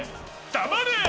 黙れ！